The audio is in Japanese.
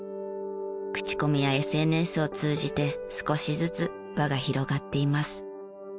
口コミやＳＮＳを通じて少しずつ輪が広がっています。